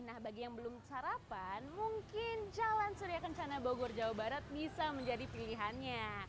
nah bagi yang belum sarapan mungkin jalan surya kencana bogor jawa barat bisa menjadi pilihannya